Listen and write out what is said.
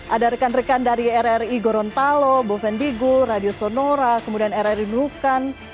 ada rekan rekan dari rri gorontalo bovendigul radio sonora kemudian rri nukan